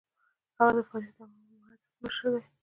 هغه د فاریاب یو معزز مشر دی.